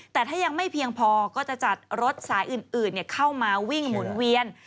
แต่ถ้ายังไม่เพียงพอก็จะจัดรถสายอื่นเข้ามาวิ่งหมุนเวียน